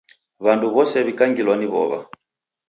W'andu w'ose w'ikangilwa ni w'ow'a.